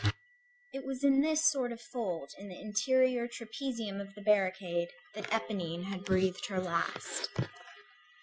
It was in this sort of fold in the interior trapezium of the barricade, that Éponine had breathed her last.